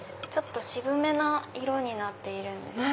渋めな色になっているんですけど。